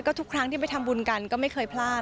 ทุกครั้งที่ไปทำบุญกันก็ไม่เคยพลาด